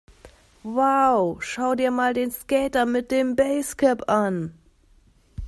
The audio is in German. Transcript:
Wow, schau dir mal den Skater mit dem Basecap an!